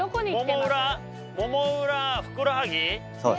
もも裏ふくらはぎ？